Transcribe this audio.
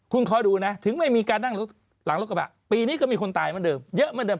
คุณคอยดูนะถึงไม่มีการนั่งหลังรถกระบะปีนี้ก็มีคนตายเหมือนเดิมเยอะเหมือนเดิ